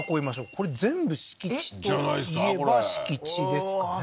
これ全部敷地といえば敷地ですかね